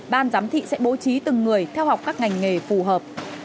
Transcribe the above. ban giám thị sẽ bố trí từng người theo học các ngành nghề phù hợp